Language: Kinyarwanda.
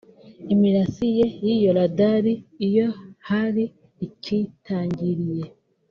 Imirasiye y’iyo radari iyo hari ikiyitangiriye